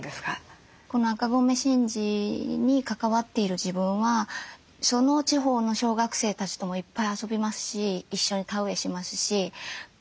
この赤米神事に関わっている自分はその地方の小学生たちともいっぱい遊びますし一緒に田植えしますし集落のおじいさん